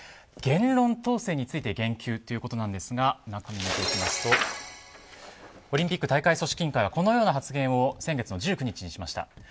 言論統制について言及ということなんですがオリンピック大会組織委員会はこのような発言を先月の１９日にしました。